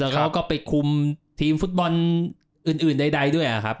เขาก็ไปคุมทีมฟุตบอลอื่นใดด้วยครับ